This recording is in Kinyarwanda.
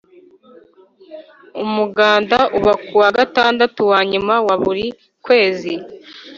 Umuganda uba kuwa gatandatu wanyuma wa buri kwezi